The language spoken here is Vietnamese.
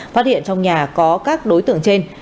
phát hiện trong nhà có các đối tượng trên